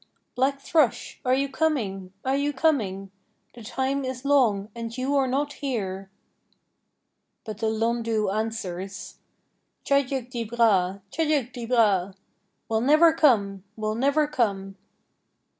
Black Thrush, are you coming, are you coming? The time is long and you are not here! But the Lhondoo answers: 'Cha jig dy braa, cha jig dy braa!' Will never come, will never come!